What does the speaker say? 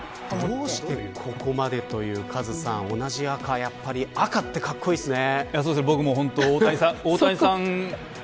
どうしてここまでというカズさん、同じ赤ってやっぱり赤ってかっこいいですね。